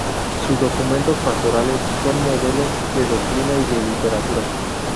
Sus documentos pastorales son modelos de doctrina y de literatura.